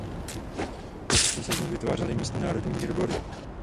Postupně se z nich vytvářely místní národní výbory.